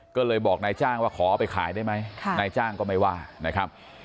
ก็เลยบอกนายจ้างว่าขอเอาไปขายได้ไหมนายจ้างก็ไม่ว่านะครับ